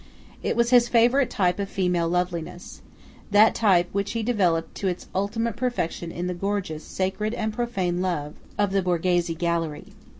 It was his favourite type of female loveliness–that type which he developed to its ultimate perfection in the gorgeous "Sacred and Profane Love" of the Borghese gallery.